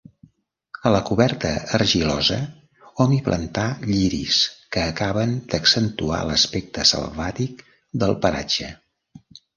A la coberta argilosa hom hi plantà lliris que acaben d'accentuar l'aspecte selvàtic del paratge.